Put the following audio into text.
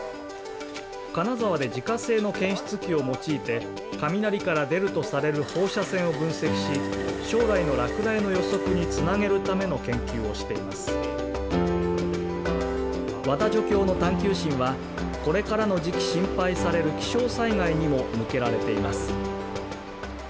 金沢で自家製の検出器を用いて雷から出るとされる放射性を分析し将来の落雷の予測につなげるための研究をしていますまた助教の探究心はこれからの時期心配される気象災害にも向けられています